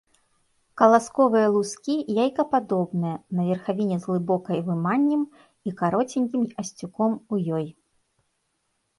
Каласковыя лускі яйкападобныя, на верхавіне з глыбокай выманнем і кароценькім асцюком ў ёй.